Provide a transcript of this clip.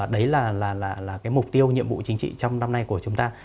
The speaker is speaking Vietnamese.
đấy là cái mục tiêu nhiệm vụ chính trị trong năm nay của chúng ta